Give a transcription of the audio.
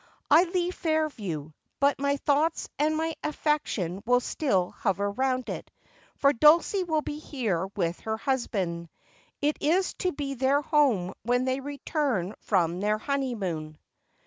I leave Fairview ; but my thoughts and my affection will still hover round it, for Dulcie will be here with her husband. It is to be their home when they return from their honeymoon.'